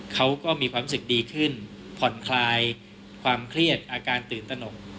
เขาก็มีความรู้สึกดีขึ้นผ่อนคลายความเครียดอาการตื่นตนก